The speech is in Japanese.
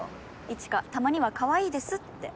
「一華たまにはかわいいです」って。